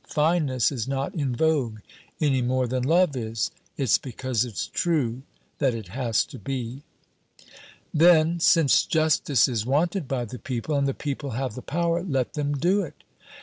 Fineness is not in vogue, any more than love is. It's because it's true that it has to be." "Then, since justice is wanted by the people, and the people have the power, let them do it."